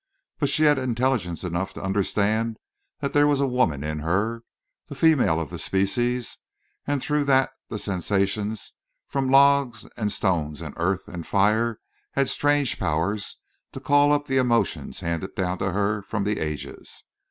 But she had intelligence enough to understand that there was a woman in her, the female of the species; and through that the sensations from logs and stones and earth and fire had strange power to call up the emotions handed down to her from the ages.